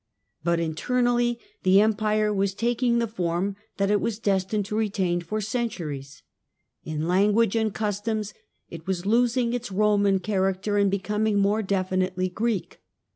But internally the Empire was taking the form that it was destined to retain for centuries. Injanguage and customs it was losing its Eoman character and becoming more definitely Greek.